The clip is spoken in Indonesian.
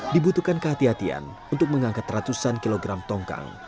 dibutuhkan kehatian untuk mengangkat ratusan kilogram tongkang